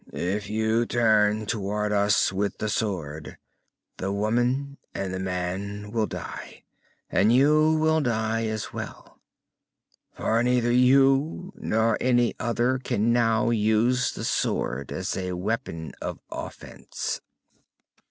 "If you turn toward us with the sword, the woman and the man will die. And you will die as well. For neither you nor any other can now use the sword as a weapon of offense."